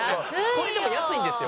これでも安いんですよ。